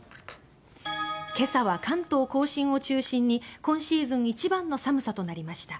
今朝は関東・甲信を中心に今シーズン一番の寒さとなりました。